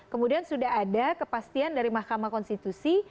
kemudian sudah ada kepastian dari mahkamah konstitusi